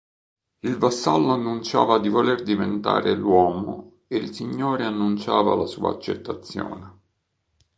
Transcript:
Il vassallo annunciava di voler diventare "l'uomo" e il signore annunciava la sua accettazione.